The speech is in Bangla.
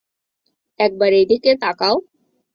একবার এইদিকে তাকাও।